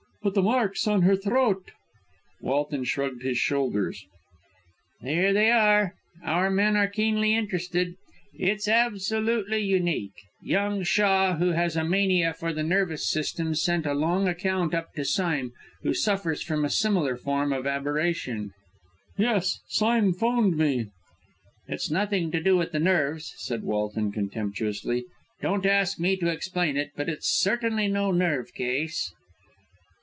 "But the marks on her throat?" Walton shrugged his shoulders. "There they are! Our men are keenly interested. It's absolutely unique. Young Shaw, who has a mania for the nervous system, sent a long account up to Sime, who suffers from a similar form of aberration." "Yes; Sime 'phoned me." "It's nothing to do with nerves," said Walton contemptuously. "Don't ask me to explain it, but it's certainly no nerve case."